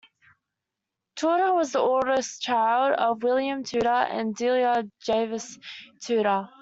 Tudor was the oldest child of William Tudor and Delia Jarvis Tudor.